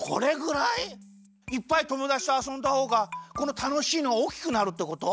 いっぱいともだちとあそんだほうがこのたのしいのがおおきくなるってこと？